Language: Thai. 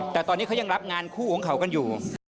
แต่ตอนนี้เขายังรับงานคู่ของเขากันอยู่